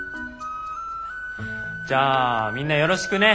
じゃあみんなよろしくね。